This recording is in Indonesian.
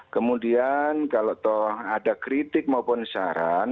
kemudian kalau ada kritik maupun saran